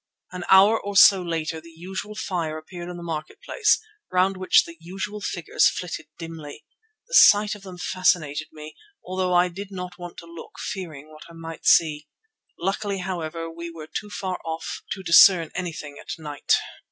An hour or so later the usual fire appeared in the marketplace, round which the usual figures flitted dimly. The sight of them fascinated me, although I did not want to look, fearing what I might see. Luckily, however, we were too far off to discern anything at night.